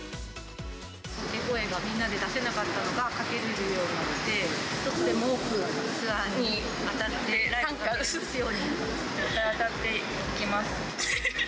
掛け声がみんなで出せなかったのが、かけられるようになって、一つでも多くツアーに当たって、絶対当たって行きます！